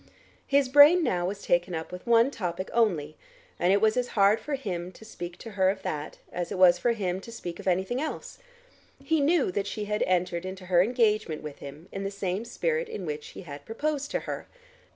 His brain now was taken up with one topic only, and it was as hard for him to speak to her of that, as it was for him to speak of anything else. He knew that she had entered into her engagement with him, in the same spirit in which he had proposed to her.